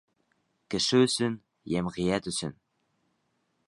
Кеше өсөн, йәмғиәт өсөн.